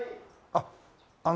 あっあの